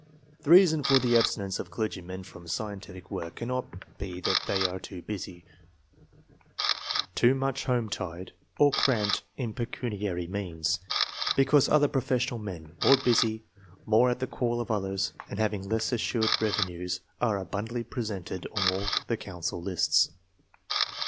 The reason for the abstinence of clergymen from scientific work cannot be that they are too busy, too much home tied, or cramped in pecuniary means, because other professional men, more busy, more at the call of others, and having less assured revenues, axQ abundantly represented on all the couxicil lists.